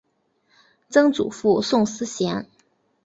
曾祖父宋思贤。